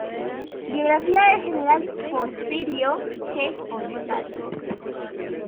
Biografía del general Porfirio G. González